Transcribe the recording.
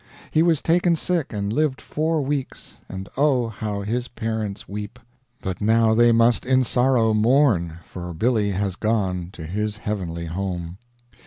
He was taken sick and lived four weeks, And Oh! how his parents weep, But now they must in sorrow mourn, For Billy has gone to his heavenly home.